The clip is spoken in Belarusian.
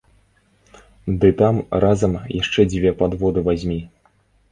Ды там разам яшчэ дзве падводы вазьмі.